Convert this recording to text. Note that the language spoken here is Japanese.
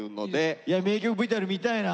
いや名曲ＶＴＲ見たいな。